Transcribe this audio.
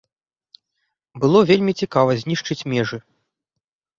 Было вельмі цікава знішчыць межы.